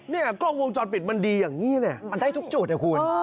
กล้องวงจรปิดมันดีอย่างนี้เนี่ยมันได้ทุกจุดนะคุณ